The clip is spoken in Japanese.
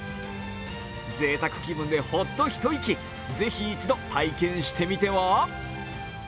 ぜいたく気分でホッと一息、ぜひ一度体験してみては？